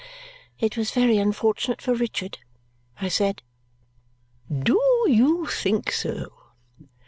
It was very unfortunate for Richard, I said. "Do you think so!"